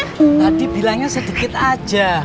tadi bilangnya sedikit aja